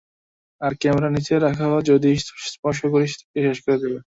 আরে, ক্যামেরা নিচে রাখ, যদি স্পর্শ করিস তোকে শেষ করে দিব।